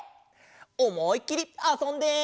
おもいっきりあそんで。